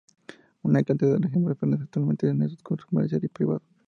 Una cantidad de ejemplares permanece actualmente en usos comercial y privado.